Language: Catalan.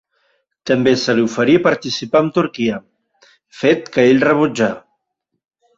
També se li oferí participar amb Turquia, fet que ell rebutjà.